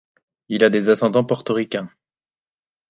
Il a des ascendants portoricains.